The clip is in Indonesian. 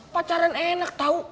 pacaran enak tau